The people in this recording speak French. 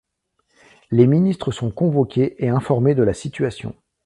Les ministres sont convoqués et informés de la situation.